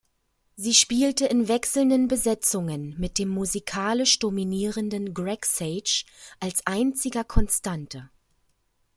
Sie spielte in wechselnden Besetzungen mit dem musikalisch dominierenden Greg Sage als einziger Konstante.